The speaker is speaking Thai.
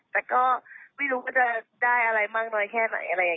แต่ก็ไม่รู้ว่าจะได้อะไรมากน้อยแค่ไหน